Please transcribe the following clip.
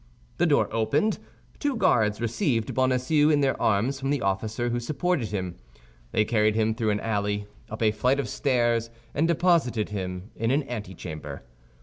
The door opened; two guards received Bonacieux in their arms from the officer who supported him. They carried him through an alley, up a flight of stairs, and deposited him in an antechamber.